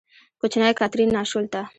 کوچنۍ کاترین، ناشولته!